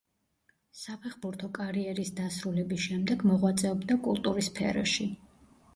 საფეხბურთო კარიერის დასრულების შემდეგ მოღვაწეობდა კულტურის სფეროში.